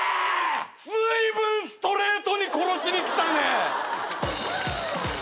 ずいぶんストレートに殺しに来たね！